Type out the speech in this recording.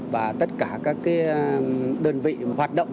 và tất cả các đơn vị hoạt động